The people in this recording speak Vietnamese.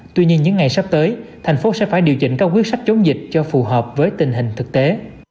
tuy nhiên những ngày sắp tới thành phố sẽ phải điều chỉnh các quyết sách chống dịch cho phù hợp với tình hình thực tế